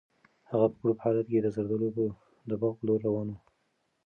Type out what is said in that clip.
هغه په کړوپ حالت کې د زردالو د باغ په لور روان و.